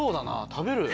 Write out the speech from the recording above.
食べる